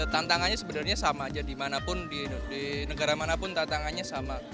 tantangannya sebenarnya sama jadi di negara manapun tantangannya sama